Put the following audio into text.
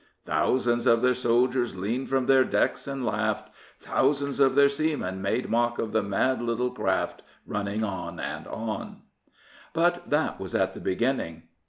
"' Thousands ot their soldiers leaned from their decks and laughed, Thousands of their seamen made mock of the mad little craft Running on and on — But that was at the beginning.